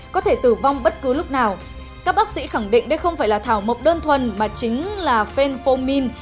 các bác sĩ khẳng định đây không phải là thảo mộc đơn thuần mà chính là phenformin